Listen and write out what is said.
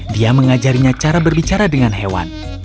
dia mengajarinya cara berbicara dengan hewan